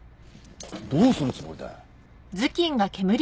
どうするつもりだ？